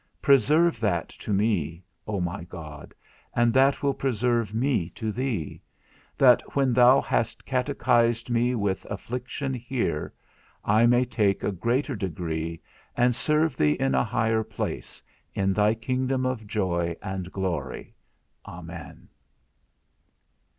Preserve that to me, O my God, and that will preserve me to thee; that, when thou hast catechised me with affliction here, I may take a greater degree, and serve thee in a higher place, in thy kingdom of joy and glory. Amen.